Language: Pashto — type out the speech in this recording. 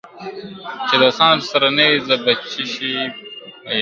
چي دوستان راسره نه وي زه په څشي به پایېږم ..